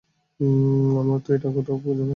আমরা তো এটা কোথাও খুঁজে পাইনি!